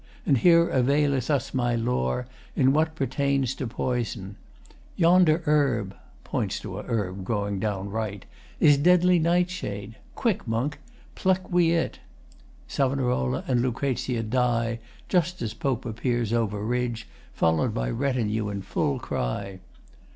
And here availeth us my lore | In what pertains to poison. Yonder herb | [points to a herb growing down r.] Is deadly nightshade. Quick, Monk! Pluck we it! SAV. and LUC. die just as POPE appears over ridge, followed by retinue in full cry.